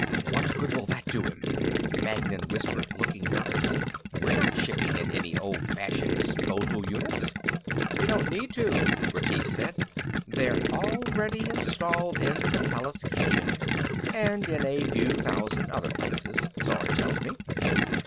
"What good will that do him?" Magnan whispered, looking nervous. "We're not shipping in any old fashioned disposal units." "We don't need to," Retief said. "They're already installed in the palace kitchen and in a few thousand other places, Zorn tells me."